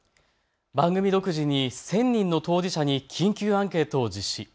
番組独自に１０００人の当事者に緊急アンケートを実施。